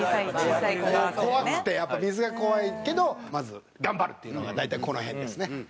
怖くてやっぱ水が怖いけどまず頑張るっていうのが大体この辺ですね。